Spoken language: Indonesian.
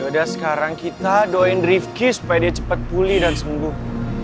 yaudah sekarang kita doain rifki supaya dia cepet pulih dan sembuh